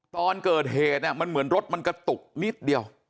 ตอนเกิดเหตุมันเหมือนรถมันกระตุกนิดเดียว